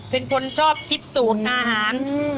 เป็นคนชอบคิดสูตรอาหาร